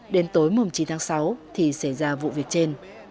đến tối chín tháng sáu thì xảy ra vụ việc trên